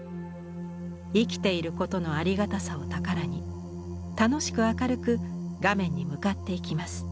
「生きていることのありがたさを宝に楽しく明るく画面に向かっていきます」。